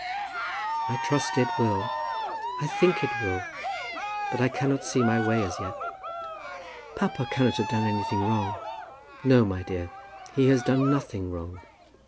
"I trust it will. I think it will. But I cannot see my way as yet." "Papa cannot have done anything wrong." "No, my dear; he has done nothing wrong.